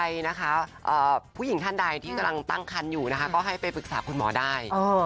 หรือผู้หญิงท่านใดที่ตั้งคันอยู่ก็ให้ไปปรึกษาคุณหมอได้